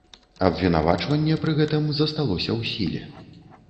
Абвінавачанне пры гэтым засталося ў сіле.